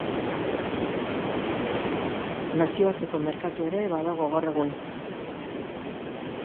Nazioarteko merkatua ere badago gaur egun.